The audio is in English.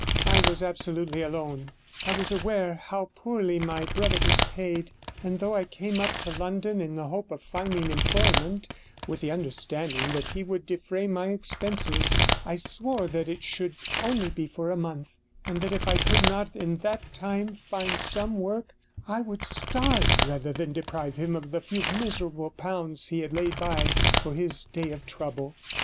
I was absolutely alone; I was aware how poorly my brother was paid; and though I came up to London in the hope of finding employment, with the understanding that he would defray my expenses, I swore it should only be for a month, and that if I could not in that time find 44 some work I would starve rather than deprive him of the few miserable pounds he had laid by for his day of trouble.